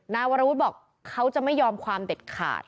นายวรวุฒิบอกเขาจะไม่ยอมความเด็ดขาด